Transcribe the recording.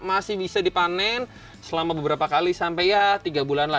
masih bisa dipanen selama beberapa kali sampai ya tiga bulan lah